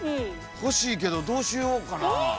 欲しいけどどうしようかなあ。